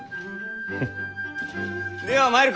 フッでは参るか。